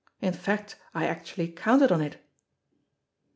In fact, I actually counted on it."